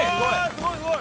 すごい。